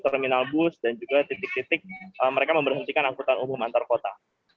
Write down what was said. terminal bus dan juga titik titik mereka memberhentikan angkutan umum antar kota